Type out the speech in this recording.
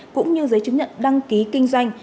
cũng như giấy chứng nhận đăng ký kinh doanh